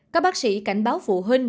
các bác sĩ cảnh báo phụ huynh